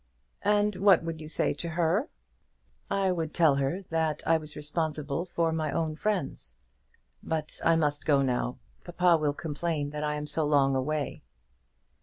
"And what would you say to her?" "I would tell her that I was responsible for my own friends. But I must go now. Papa will complain that I am so long away."